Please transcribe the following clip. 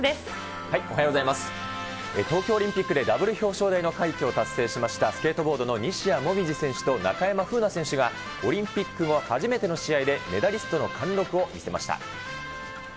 東京オリンピックでダブル表彰台の快挙を達成しました、スケートボードの西矢椛選手と中山楓奈選手が、オリンピック後、初めての試合でメダリストの貫録を見せました。